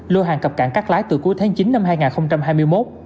lô hàng cập cảng cắt lái từ cuối tháng chín năm hai nghìn hai mươi một